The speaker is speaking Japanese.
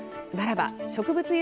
ならば植物